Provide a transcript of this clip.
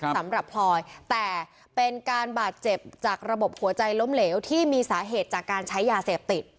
พลอยแต่เป็นการบาดเจ็บจากระบบหัวใจล้มเหลวที่มีสาเหตุจากการใช้ยาเสพติด